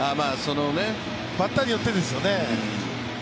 バッターによってですよね。